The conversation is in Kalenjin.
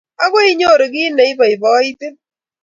Akoi inyoru ki ne i poipoitin.